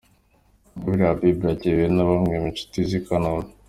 Ingabire Habibah yakiriwe na bamwe mu nshuti ze i Kanombe.